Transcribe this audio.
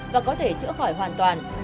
và có thể chữa khỏi hoàn toàn